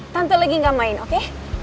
tampil lagi gak main oke